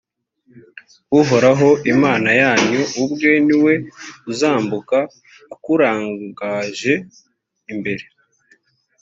uhoraho imana yanyu ubwe ni we uzambuka akurangaje imbere,